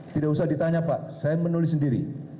tidak usah ditanya pak saya menulis sendiri